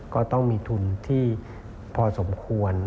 ก็ต้องมีทุนที่พอสมควร